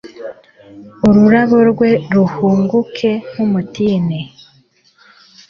ururabo rwe ruhunguke nk'urw'umutini